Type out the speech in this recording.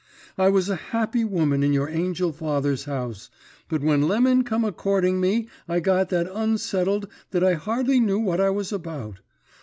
I was a happy woman in your angel father's house, but when Lemon come a courting me I got that unsettled that I hardly knew what I was about.